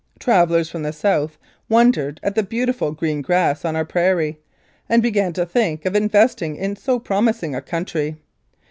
Travellers from the south won dered at the beautiful green grass on our prairie, and began to think of investing in so promising a country.